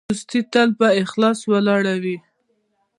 دوستي تل په اخلاص ولاړه وي.